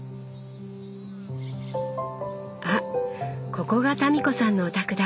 あここが民子さんのお宅だ。